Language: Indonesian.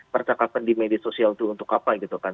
percakapan di media sosial itu untuk apa gitu kan